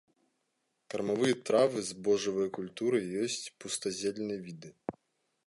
Кармавыя травы, збожжавыя культуры, ёсць пустазельныя віды.